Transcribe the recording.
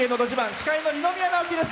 司会の二宮直輝です。